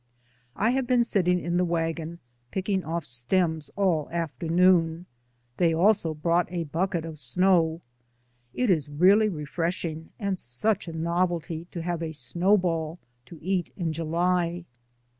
I have been sitting in the wagon, picking off stems all afternoon ; they also brought a bucket of snow. It is really refreshing, and such a novelty to have a snow ball to eat in July.